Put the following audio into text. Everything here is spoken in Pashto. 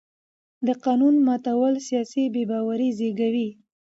د قانون ماتول سیاسي بې باوري زېږوي